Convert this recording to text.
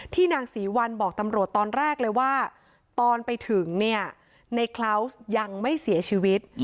นางศรีวัลบอกตำรวจตอนแรกเลยว่าตอนไปถึงเนี่ยในคลาวส์ยังไม่เสียชีวิต